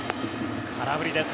空振りです。